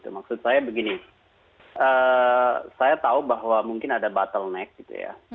maksud saya begini saya tahu bahwa mungkin ada bottleneck